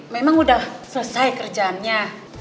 memang udah selesai kerjaannya